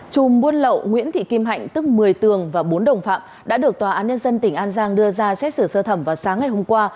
chùm buôn lậu nguyễn thị kim hạnh tức một mươi tường và bốn đồng phạm đã được tòa án nhân dân tỉnh an giang đưa ra xét xử sơ thẩm vào sáng ngày hôm qua